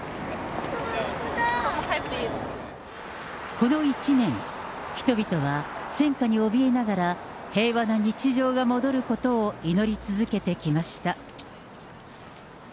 この１年、人々は戦火におびえながら、平和な日常が戻ることを祈り続けてきました。